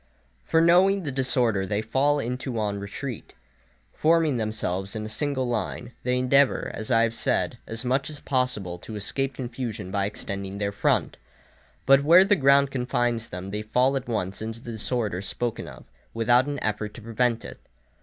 For knowing the disorder they fall into on retreat, forming themselves in a single line, they endeavour, as I have said, as much as possible to escape confusion by extending their front. But where the ground confines them they fall at once into the disorder spoken of, without an effort to prevent it.